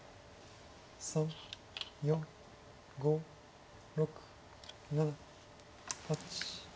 ３４５６７８。